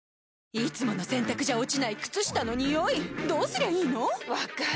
いつもの洗たくじゃ落ちない靴下のニオイどうすりゃいいの⁉分かる。